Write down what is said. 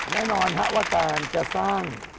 แน่นอนครับวัดธานจะสร้าง